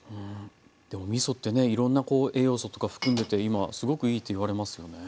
でもみそってねいろんな栄養素とか含んでて今すごくいいっていわれますよね。